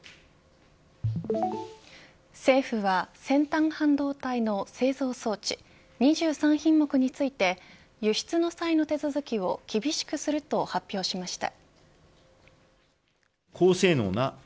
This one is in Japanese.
政府は先端半導体の製造装置２３品目について輸出の際の手続きを厳しくすると発表しました。